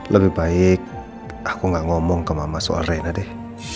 lebih baik aku gak ngomong ke mama so arena deh